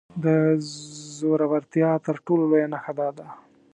د زورورتيا تر ټولو لويه نښه دا ده.